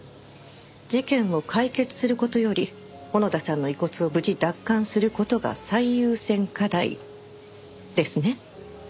事件を解決する事より小野田さんの遺骨を無事奪還する事が最優先課題。ですね？